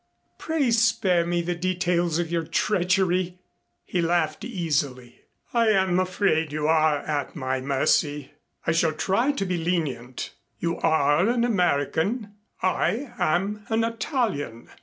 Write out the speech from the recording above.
"Pray spare me the details of your treachery." He laughed easily. "I'm afraid you're at my mercy. I shall try to be lenient. You are an American, I am an Italian.